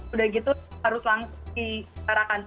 udah gitu harus langsung ditarakan